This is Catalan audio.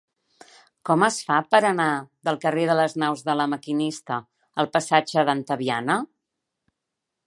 Com es fa per anar del carrer de les Naus de La Maquinista al passatge d'Antaviana?